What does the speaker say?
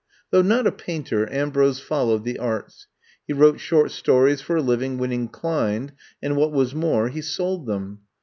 Though not a painter, Ambrose followed the arts. He wrote short stories for a liv ing when inclined, and what was more, he sold them.